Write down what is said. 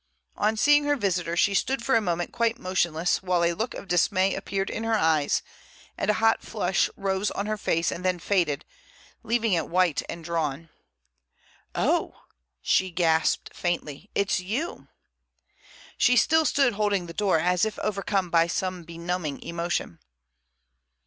On seeing her visitor she stood for a moment quite motionless while a look of dismay appeared in her eyes and a hot flush rose on her face and then faded, leaving it white and drawn. "Oh!" she gasped faintly. "It's you!" She still stood holding the door, as if overcome by some benumbing emotion.